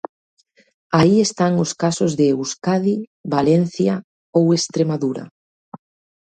Aí están os casos de Euskadi, Valencia ou Estremadura.